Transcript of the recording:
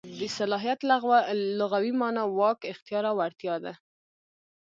د صلاحیت لغوي مانا واک، اختیار او وړتیا ده.